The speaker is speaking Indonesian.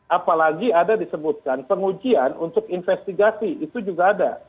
apalagi ada disebutkan pengujian untuk investigasi itu juga ada